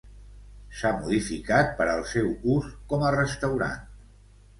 S'ha modificat per al seu ús com a restaurant.